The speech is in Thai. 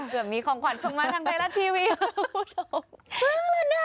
เกือบมีของขวัญพึ่งมาทางไตรัสทีวีครับคุณผู้ชม